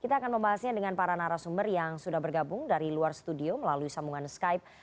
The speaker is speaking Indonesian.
kita akan membahasnya dengan para narasumber yang sudah bergabung dari luar studio melalui sambungan skype